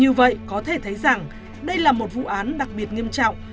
như vậy có thể thấy rằng đây là một vụ án đặc biệt nghiêm trọng